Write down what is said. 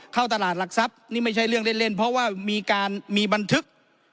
เข้าตลาดหลักทรัพย์นี่ไม่ใช่เรื่องเล่นเพราะว่ามีการมีบันทึก